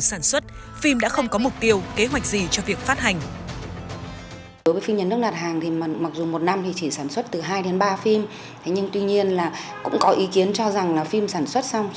sản xuất những bộ phim sử dụng kinh phí nhà nước